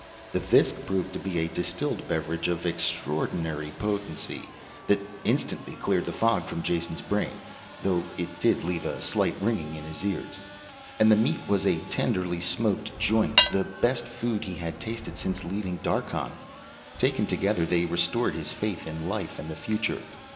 The visk proved to be a distilled beverage of extraordinary potency that instantly cleared the fog from Jason's brain, though it did leave a slight ringing in his ears. And the meat was a tenderly smoked joint, the best food he had tasted since leaving Darkhan. Taken together they restored his faith in life and the future.